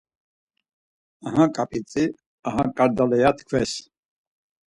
Aha ǩap̌itzi, aha ǩardala ya tkves.